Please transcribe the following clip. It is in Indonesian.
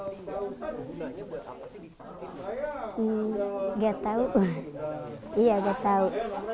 gak tau iya gak tau